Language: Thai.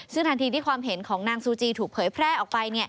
ซึ่งทันทีที่ความเห็นของนางซูจีถูกเผยแพร่ออกไป